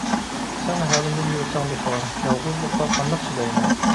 سەن ھالىمدىن يۈرسەڭ بىخەۋەر، يالغۇزلۇققا قانداق چىدايمەن؟ .